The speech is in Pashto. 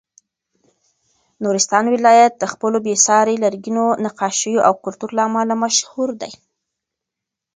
نورستان ولایت د خپلو بې ساري لرګینو نقاشیو او کلتور له امله مشهور دی.